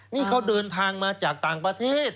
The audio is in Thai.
นี่เขาเดินทางมาจากต่างประเทศ